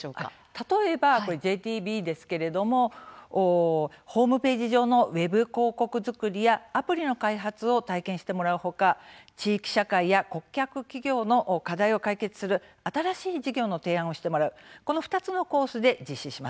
例えば、ＪＴＢはホームページ上のウェブ広告作りやアプリの開発を体験してもらう他地域社会や顧客企業の課題を解決する新しい事業の提案をしてもらうこの２つのコースで実施。